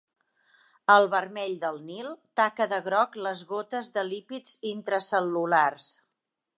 El vermell del Nil taca de groc les gotes de lípids intracel·lulars.